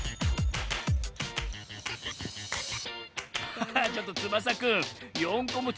ハハッちょっとつばさくん４こもち